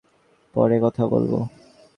পরে কথা বলব।